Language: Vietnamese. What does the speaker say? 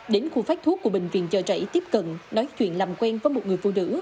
đến khu phát thuốc của bệnh viện chợ rẫy tiếp cận nói chuyện làm quen với một người phụ nữ